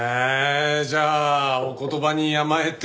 じゃあお言葉に甘えて。